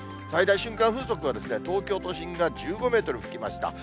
最大瞬間風速は、東京都心が１５メートル吹きました。